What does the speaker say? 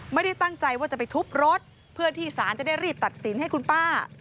ไม่ได้ตั้งใจว่าจะไปทุบรถเพื่อที่สารจะได้รีบตัดสินให้คุณป้า